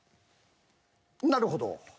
なるほど。